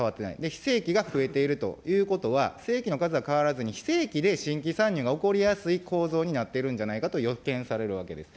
非正規が増えているということは、正規の数は変わらずに、非正規で新規参入が起こりやすい構造になっているんじゃないかと予見されるわけです。